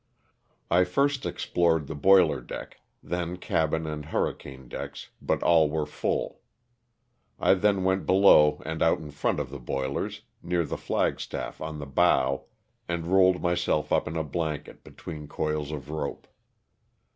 I first explored the boiler deck, then cabin and hurricane decks, but all were full. I then went below and out in front of the boilers, near the flagstaff on the bow, and rolled myself up in a blanket, between coils of rope.